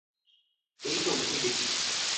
এইতো উঠে গেছি।